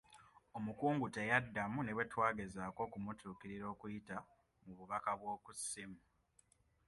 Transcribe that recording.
Omukungu teyaddamu ne bwe twagezaako okumutuukirira okuyita mu bubaka bw'oku ssimu.